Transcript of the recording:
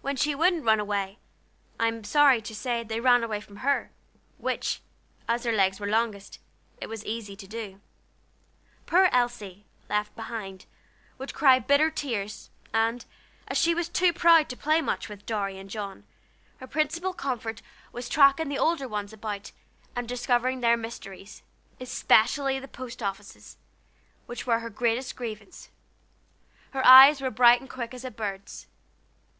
When she wouldn't run away, I am sorry to say they ran away from her, which, as their legs were longest, it was easy to do. Poor Elsie, left behind, would cry bitter tears, and, as she was too proud to play much with Dorry and John, her principal comfort was tracking the older ones about and discovering their mysteries, especially the post offices, which were her greatest grievance. Her eyes were bright and quick as a bird's.